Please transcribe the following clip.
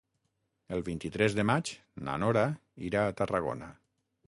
El vint-i-tres de maig na Nora irà a Tarragona.